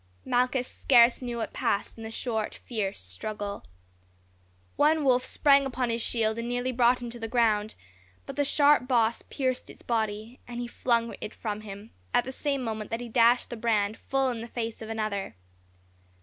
Malchus scarce knew what passed in the short fierce struggle. One wolf sprang upon his shield and nearly brought him to the ground; but the sharp boss pierced its body, and he flung it from him, at the same moment that he dashed the brand full in the face of another.